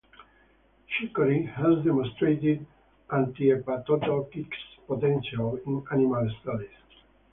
Chicory has demonstrated antihepatotoxic potential in animal studies.